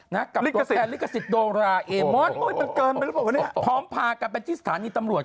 กับตัวแทนลิขสิทธิ์โดราเอมอนพร้อมพากับเป็นที่สถานีตำรวจ